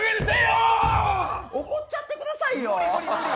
怒っちゃってくださいよ！